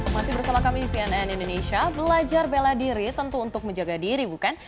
masih bersama kami di cnn indonesia belajar bela diri tentu untuk menjaga diri bukan